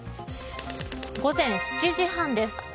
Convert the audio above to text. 午前７時半です。